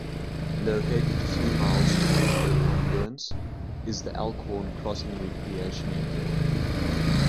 Located a few miles north of the confluence is the Elkhorn Crossing Recreation Area.